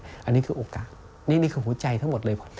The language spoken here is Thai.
อันนี้คือโอกาสนี่คือหัวใจทั้งหมดเลย